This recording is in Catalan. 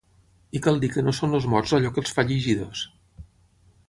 I cal dir que no són els mots allò que els fa llegidors.